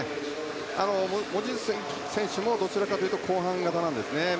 望月選手もどちらかというと後半型なんですよね。